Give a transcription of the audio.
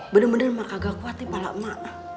bener bener mah kagak kuat nih malah mah